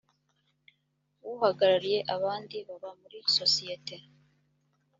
uhagarariye abandi baba muri sosiyeti